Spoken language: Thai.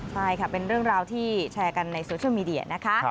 ใช่ค่ะเป็นเรื่องราวที่แชร์กันในโซเชียลมีเดียนะคะ